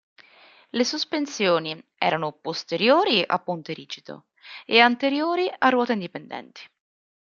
Le sospensioni erano posteriori a ponte rigido e anteriori a ruote indipendenti.